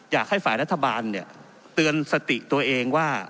อยากให้ฝ่ายรัฐบาลเตือนสติตัวเองว่า